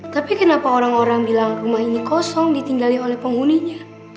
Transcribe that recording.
tapi kenapa orang orang bilang rumah ini kosong ditinggali oleh penghuninya